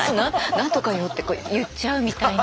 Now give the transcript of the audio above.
何とかよ」ってこう言っちゃうみたいな。